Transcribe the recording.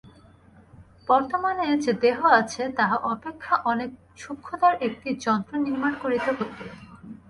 বর্তমানে যে দেহ আছে, তাহা অপেক্ষা অনেক সূক্ষ্মতর একটি যন্ত্র নির্মাণ করিতে হইবে।